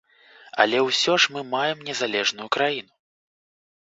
Але ўсё ж мы маем незалежную краіну.